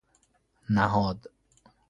نهاد